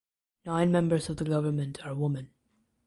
Nine members of the government are women.